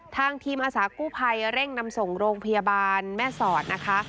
ทางทีมอาสากู้ภัยเร่งนำส่งโรงพยาบาลแม่สอดนะคะ